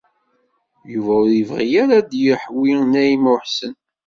Yuba ur yebɣi ara ad yeḥwi Naɛima u Ḥsen.